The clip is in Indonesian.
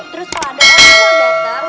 terus kalau ada orang yang datang